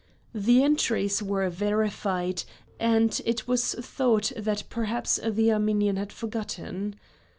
The entries were verified, and it was thought that perhaps the Armenian had forgotten.